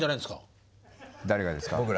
誰がですか？